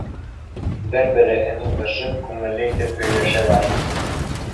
Бер-береһен уҙышып, күңелле итеп һөйләшәләр: